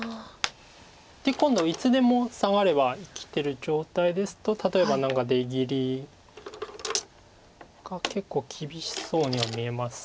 で今度いつでもサガれば生きてる状態ですと例えば何か出切りが結構厳しそうには見えます。